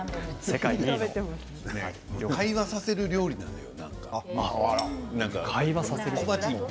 会話をさせる料理なのよ。